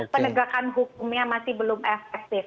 penegakan hukumnya masih belum efektif